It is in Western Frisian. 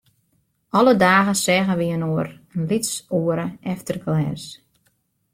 Alle dagen seagen wy inoar in lyts oere, efter glês.